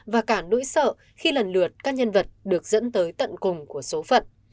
và cả nỗi sợ khi lần lượt các nhân vật được dẫn tới tận cùng của số phận